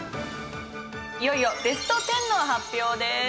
いよいよベスト１０の発表です。